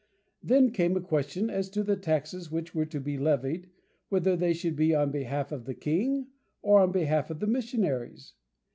Then came a question as to the taxes which were to be levied, whether they should be on behalf of the king, or on behalf of the missionaries.